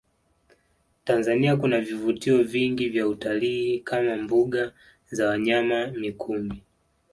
Tanzania kuna vivutio vingi vya utalii kama mbuga za wanyama mikumi